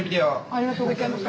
ありがとうございます。